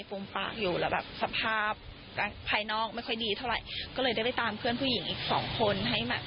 ฟูมปากอยู่แล้วแบบสภาพภายนอกไม่ค่อยดีเท่าไหร่ก็เลยได้ไปตามเพื่อนผู้หญิงอีกสองคนให้มา